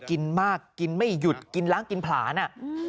กินมากกินไม่หยุดกินล้างกินผลานอ่ะ